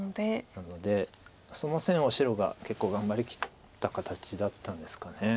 なのでその線を白が結構頑張りきった形だったんですか。